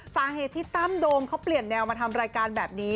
สาเหตุที่ตั้มโดมเขาเปลี่ยนแนวมาทำรายการแบบนี้